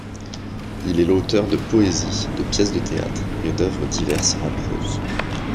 Il est l'auteur de poésies, de pièces de théâtre et d'œuvres diverses en prose.